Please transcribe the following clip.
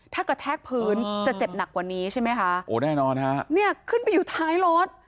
ถ้ากระแทกพื้นจะเจ็บหนักกว่านี้ใช่ไหมคะโอ้แน่นอนฮะเนี่ยขึ้นไปอยู่ท้ายรถ